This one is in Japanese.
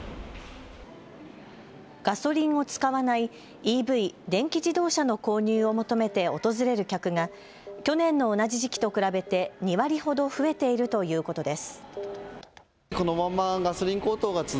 ガソリンを使わないＥＶ・電気自動車の購入を求めて訪れる客が去年の同じ時期と比べて２割ほど増えているということです。